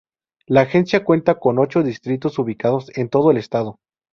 La agencia cuenta con ocho distritos ubicados en todo el estado.